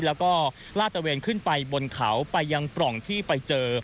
แล้วก็ลาดตะเวนขึ้นไปบนเขาไปยังปล่องที่ไปเจอ